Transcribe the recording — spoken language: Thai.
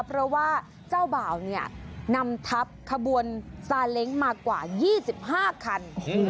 เพราะว่าเจ้าบ่าวเนี่ยนำทับขบวนซาเล้งมากว่า๒๕คัน